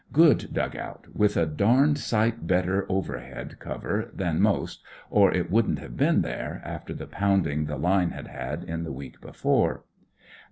Good dug out, with a damed sight better overhead cover than most, or it wouldn't have been there, after the pounding the line had had in the week before.